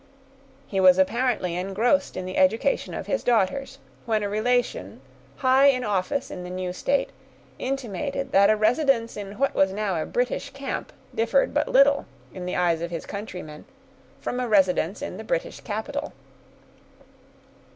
He was apparently engrossed in the education of his daughters, when a relation, high in office in the new state, intimated that a residence in what was now a British camp differed but little, in the eyes of his countrymen, from a residence in the British capital.